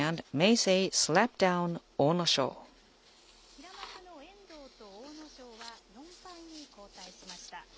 平幕の遠藤と阿武咲は４敗に後退しました。